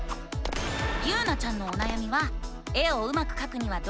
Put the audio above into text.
ゆうなちゃんのおなやみは「絵をうまくかくにはどうすればいいの？」